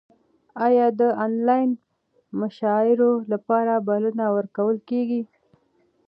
ایا د انلاین مشاعرو لپاره بلنه ورکول کیږي؟